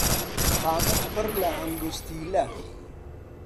قامک پڕ لە ئەنگوستیلە